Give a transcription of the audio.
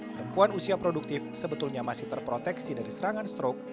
perempuan usia produktif sebetulnya masih terproteksi dari serangan strok